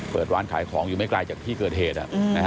เปิดร้านขายของอยู่ไม่ไกลจากที่เกิดเหตุ